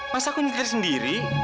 masa aku nyetir sendiri